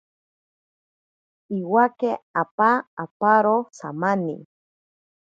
Iwake apa aparo samani.